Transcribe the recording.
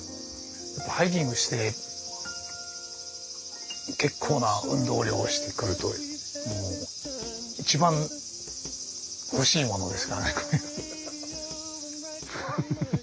ハイキングして結構な運動量をしてくるともう一番欲しいものですからね。